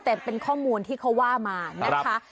แต่เป็นข้อมูลที่เขาว่ามานะคะ